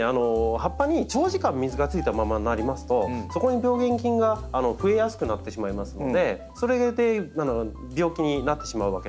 葉っぱに長時間水がついたままになりますとそこに病原菌がふえやすくなってしまいますのでそれで病気になってしまうわけなんです。